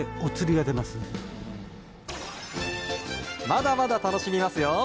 まだまだ楽しみますよ！